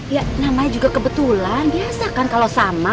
ya namanya juga kebetulan biasa kan kalau sama